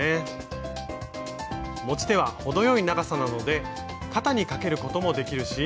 持ち手は程よい長さなので肩にかけることもできるし。